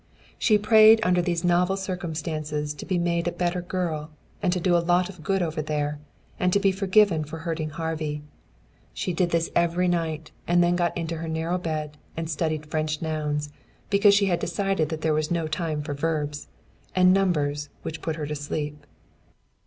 She prayed under these novel circumstances to be made a better girl, and to do a lot of good over there, and to be forgiven for hurting Harvey. She did this every night, and then got into her narrow bed and studied French nouns because she had decided that there was no time for verbs and numbers, which put her to sleep.